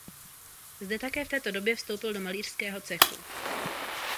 Zde také v této době vstoupil do malířského cechu.